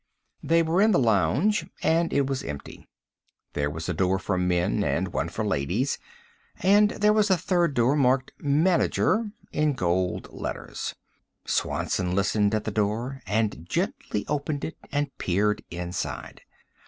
They were in the lounge and it was empty. There was a door for men and one for ladies; and there was a third door, marked "MANAGER" in gold letters. Swanson listened at the door, and gently opened it and peered inside.